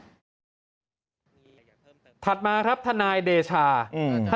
ถัดมาครับทนายเดชาอืม